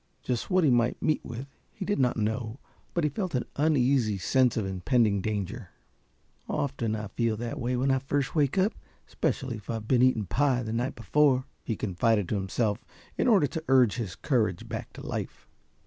Just what he might meet with he did not know. But he felt an uneasy sense of impending danger. "Often feel that way when I first wake up, especially if I've been eating pie the night before," he confided to himself, in order to urge his courage back to life.